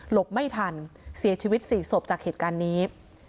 ไม่ทันเสียชีวิต๔ศพจากเหตุการณ์นี้